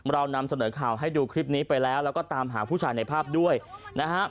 เรานำเสนอข่าวให้ดูคลิปนี้ไปแล้วแล้วก็ตามหาผู้ชายในภาพด้วยนะฮะ